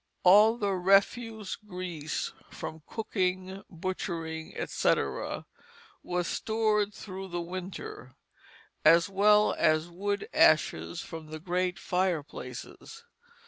All the refuse grease from cooking, butchering, etc., was stored through the winter, as well as wood ashes from the great fireplaces.